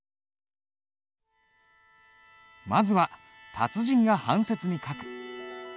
まずは達人が半切に書く。